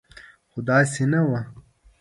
خو داسې نه وه.